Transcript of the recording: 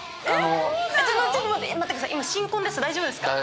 ⁉大丈夫ですか？